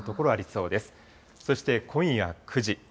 そして今夜９時。